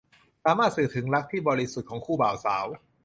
สามารถสื่อถึงรักที่บริสุทธิ์ของคู่บ่าวสาว